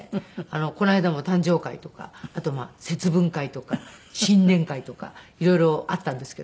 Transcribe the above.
この間も誕生会とかあと節分会とか新年会とか色々あったんですけど。